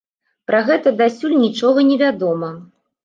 Пра гэта дасюль нічога невядома.